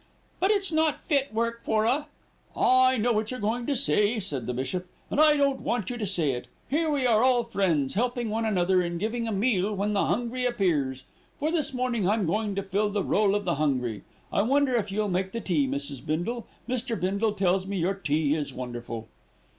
"But it's not fit work for a " "I know what you're going to say," said the bishop, "and I don't want you to say it. Here we are all friends, helping one another, and giving a meal when the hungry appears. For this morning I'm going to fill the rôle of the hungry. I wonder if you'll make the tea, Mrs. Bindle, Mr. Bindle tells me your tea is wonderful."